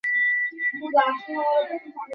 তিনি বাড়ীর গৃহকর্তা ছিলেন ও অন্যজন চাকর ছিলেন।